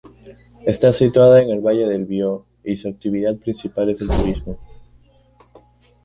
Está situada en el Valle de Vió y su actividad principal es el turismo.